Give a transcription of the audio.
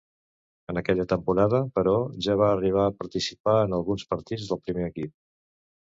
En aquella temporada, però, ja va arribar a participar en alguns partits del primer equip.